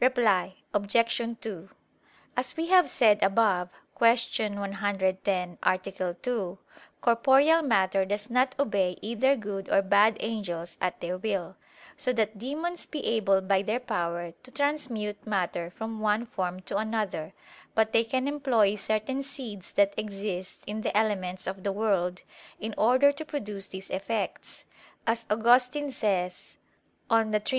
Reply Obj. 2: As we have said above (Q. 110, A. 2), corporeal matter does not obey either good or bad angels at their will, so that demons be able by their power to transmute matter from one form to another; but they can employ certain seeds that exist in the elements of the world, in order to produce these effects, as Augustine says (De Trin.